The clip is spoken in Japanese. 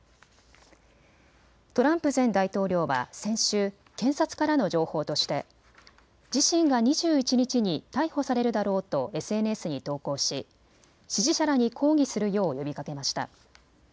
トランプ前大統領は先週、検察からの情報として自身が２１日に逮捕されるだろうとＳＮＳに投稿し、支持者らに抗議するよう呼びかけました。